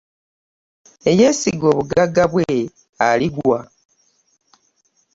Eyeesiga obugagga bwe aligwa.